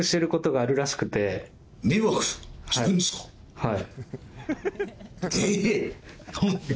はい。